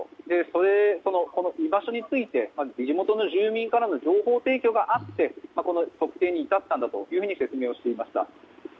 その居場所について地元の住民からの情報提供があって特定に至ったんだと説明していました。